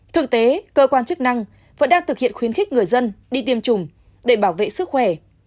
thực tế cơ quan chức năng vẫn đang thực hiện khuyến khích người dân đi tiêm chủng để bảo vệ sức khỏe